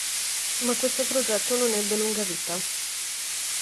Ma questo progetto non ebbe lunga vita.